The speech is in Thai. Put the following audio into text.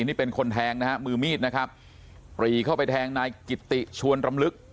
นี่เป็นคนแทงนะฮะมือมีดนะครับปรีเข้าไปแทงนายกิตติชวนรำลึก